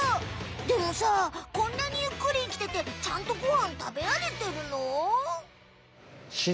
でもさこんなにゆっくり生きててちゃんとごはん食べられてるの？